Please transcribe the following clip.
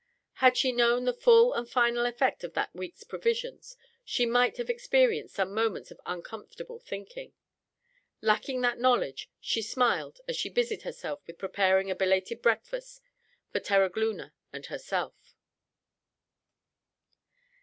Had she known the full and final effect of that week's provisions, she might have experienced some moments of uncomfortable thinking. Lacking that knowledge, she smiled as she busied herself with preparing a belated breakfast for Terogloona and herself.